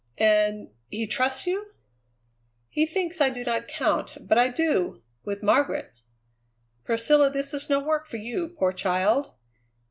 "And he trusts you?" "He thinks I do not count, but I do with Margaret." "Priscilla, this is no work for you, poor child!"